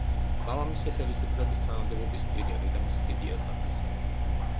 მამამისი ხელისუფლების თანამდებობის პირია დედამისი კი დიასახლისი.